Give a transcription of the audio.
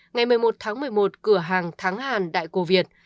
ngày một mươi một tháng một mươi một cửa hàng tháng hàn đại cổ việt